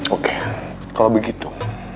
oke kalau begitu